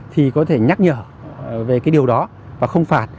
thì có thể nhắc nhở về cái điều đó và không phạt